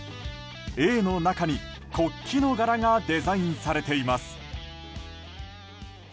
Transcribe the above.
Ａの中に国旗の柄がデザインされています。